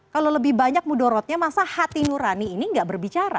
kalau lebih banyak mudorotnya masa hati nurani ini nggak berbicara